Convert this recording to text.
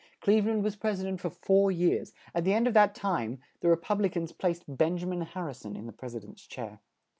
Cleve land was pres i dent for four years; at the end of that time, the Re pub li cans placed Ben ja min Har ri son in the pres i dent's chair.